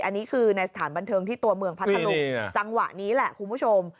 อันนี้คือในสถานบันเทิงที่ตัวเมืองพัทธลุงจังหวะนี้แหละคุณผู้ชม